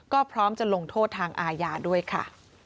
ก็พร้อมจะลงโทษทางอาญาด้วยค่ะ